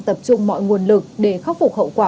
tập trung mọi nguồn lực để khắc phục hậu quả